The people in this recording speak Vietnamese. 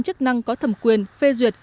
chức năng có thẩm quyền phê duyệt